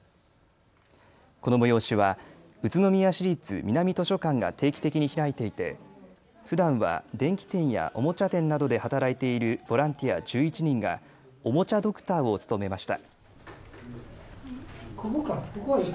この催しは宇都宮市立南図書館が定期的に開いていてふだんは電器店やおもちゃ店などで働いているボランティア１１人がおもちゃドクターを務めました。